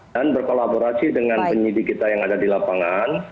dan berkolaborasi dengan penyidik kita yang ada di lapangan